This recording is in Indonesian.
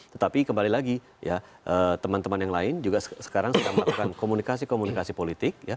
tetapi kembali lagi teman teman yang lain juga sekarang sedang melakukan komunikasi komunikasi politik